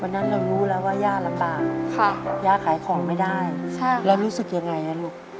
นั้นเรารู้แล้วว่าย่าลำบากย่าขายของไม่ได้เรารู้สึกยังไงลูก